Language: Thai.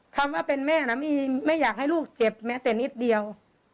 คำว่าเป็นแม่นะไม่อยากให้ลูกเจ็บแม้แต่นิดเดียว